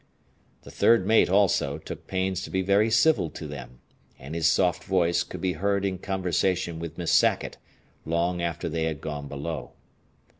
The third mate, also, took pains to be very civil to them, and his soft voice could be heard in conversation with Miss Sackett long after they had gone below.